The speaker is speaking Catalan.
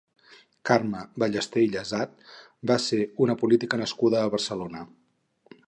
Carme Ballester i Llasat va ser una política nascuda a Barcelona.